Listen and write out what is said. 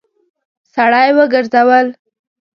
سړی وګرځول.